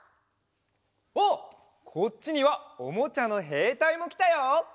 あっこっちにはおもちゃのへいたいもきたよ！